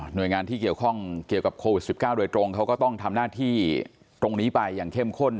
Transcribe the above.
หน่วยงานที่เกี่ยวกับโรคโควิด๑๙โดยตรงเค้าก็ต้องทำหน้าที่ตรงนี้ไปเข้มข้น